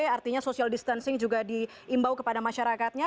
artinya social distancing juga diimbau kepada masyarakatnya